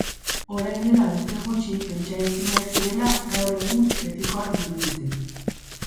Orain dela urte gutxi pentsaezinak zirenak gaur egun betikoak dirudite.